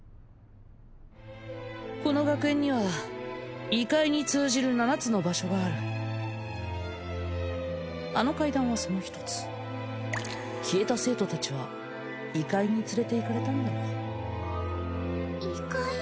この学園には異界に通じる七つの場所があるあの階段はその一つ消えた生徒達は異界に連れて行かれたんだろう異界？